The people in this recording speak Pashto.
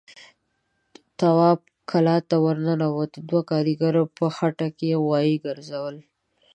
تواب کلا ته ور ننوت، دوو کاريګرو په خټه کې غوايي ګرځول.